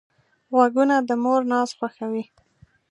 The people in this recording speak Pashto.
غوږونه د مور ناز خوښوي